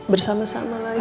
bersama sama lagi ya